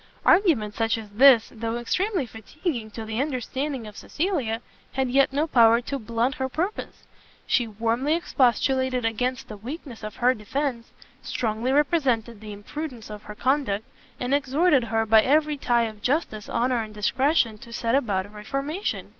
Argument such as this, though extremely fatiguing to the understanding of Cecilia, had yet no power to blunt her purpose: she warmly expostulated against the weakness of her defence, strongly represented the imprudence of her conduct, and exhorted her by every tie of justice, honour and discretion to set about a reformation.